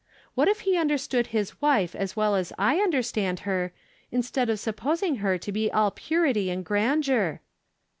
What if he imderstood his wife as well as I understand her, instead of sup posing her to be all purity and grandeur